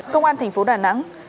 công an tp đà nẵng